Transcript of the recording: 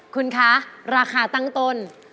คุณคะราคาตั้งต้น